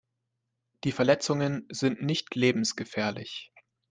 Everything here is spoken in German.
Die Verletzungen sind nicht lebensgefährlich.